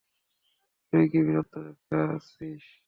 তুই কি বীরত্ব দেখাচ্ছিস?